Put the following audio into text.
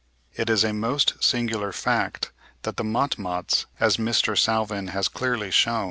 It is a most singular fact that the motmots, as Mr. Salvin has clearly shewn (70.